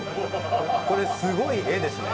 これすごい画ですね。